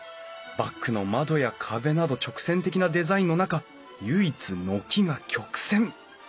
バックの窓や壁など直線的なデザインの中唯一軒が曲線。